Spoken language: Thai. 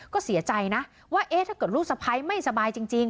ก็เสียใจนะว่าเอ๊ะถ้าเกิดลูกสะพ้ายไม่สบายจริง